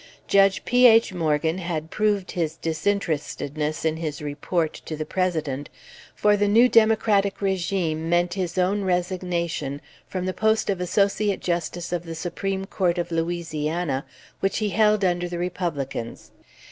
Judge P. H. Morgan had proved his disinterestedness in his report to the President; for the new Democratic régime meant his own resignation from the post of Associate Justice of the Supreme Court of Louisiana which he held under the Republicans.